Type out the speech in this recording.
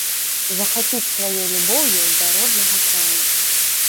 Захапіць сваёй любоўю да роднага краю.